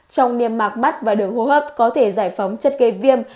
trong niềm mạc mắt và đường hô hấp có thể giải phóng chất gây viêm